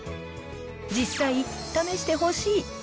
実際、試してほしいと